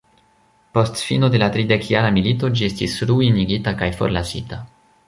Post fino de la tridekjara milito ĝi estis ruinigita kaj forlasita.